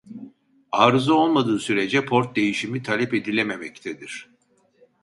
Arıza olmadığı sürece port değişimi talep edilememektedir